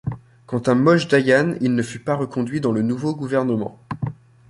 Quant à Moshe Dayan, il ne fut pas reconduit dans le nouveau gouvernement.